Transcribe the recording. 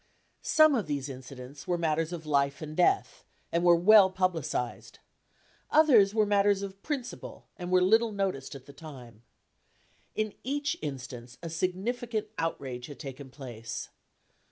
Some of these incidents were matters of life and death and were well publicized. Others were matters of principle and were little noticed at the time. In each instance a significant outrage had taken place.